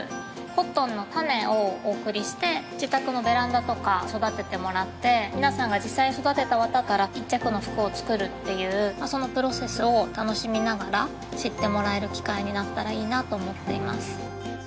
コットンの種をお送りして自宅のベランダとか育ててもらって皆さんが実際に育てた綿から一着の服を作るっていうそのプロセスを楽しみながら知ってもらえる機会になったらいいなと思っています